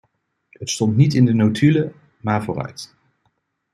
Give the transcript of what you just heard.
Het stond niet in de notulen, maar vooruit.